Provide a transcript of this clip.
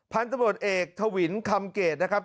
พันธุ์ตำรวจเอกทวินคำเกตนะครับ